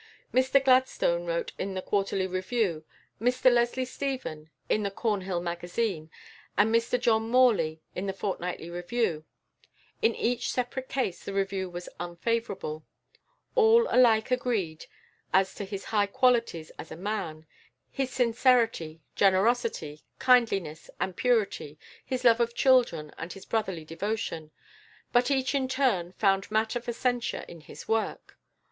Mr Gladstone wrote in the Quarterly Review, Mr Leslie Stephen in the Cornhill Magazine, and Mr John Morley in the Fortnightly Review. In each separate case the review was unfavourable. All alike agreed as to his high qualities as a man; his sincerity, generosity, kindliness, and purity, his love of children and his brotherly devotion; but each in turn found matter for censure in his work.